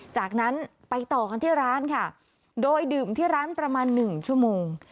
จากนั้นไปต่อกันที่ร้านค่ะโดยดื่มที่ร้านประมาณ๑ชั่วโมง